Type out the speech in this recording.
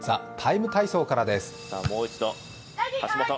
「ＴＨＥＴＩＭＥ，体操」からです。